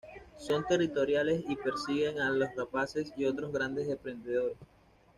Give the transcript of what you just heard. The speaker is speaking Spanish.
Son territoriales y persiguen a las rapaces y otros grandes depredadores.